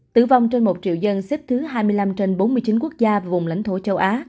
tử vong trên một triệu dân xếp thứ hai mươi năm trên bốn mươi chín quốc gia vùng lãnh thổ châu á